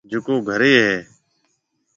جڪو گهريَ هيَ۔